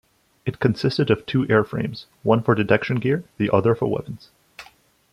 It consisted of two airframes, one for detection gear, the other for weapons.